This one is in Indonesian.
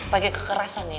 pagi kekerasan ya